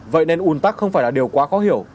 vậy nên ủn tắc không phải là điều quá khó hiểu